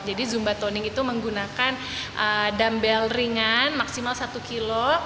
jadi zumbatoning itu menggunakan dambel ringan maksimal satu ketiga